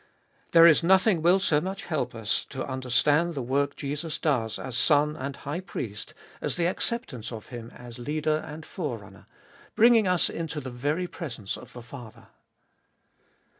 There is nothing will so much help us to under stand the work Jesus does as Son and High Priest as the ibolfest of 2111 225 acceptance of Him as Leader and Forerunner, bringing us into the very presence of the Father.